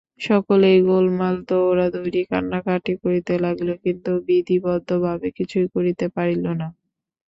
সকলেই গোলমাল দৌড়াদৌড়ি কান্নাকাটি করিতে লাগিল, কিন্তু বিধিবদ্ধভাবে কিছুই করিতে পারিল না।